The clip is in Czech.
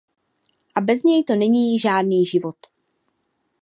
A bez něj to není žádný život.